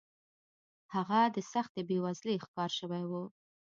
هغه د سختې بېوزلۍ ښکار شوی و